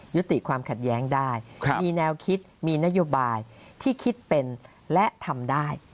ยุติความขัดแย้งได้มีแนวคิดมีนโยบายที่คิดเป็นและทำได้